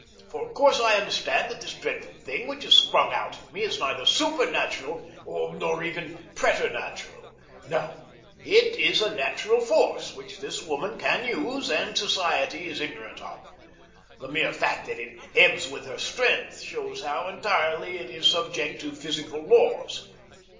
For of course I understand that this dreadful thing which has sprung out at me is neither supernatural nor even preternatural. No, it is a natural force which this woman can use and society is ignorant of. The mere fact that it ebbs with her strength shows how entirely it is subject to physical laws.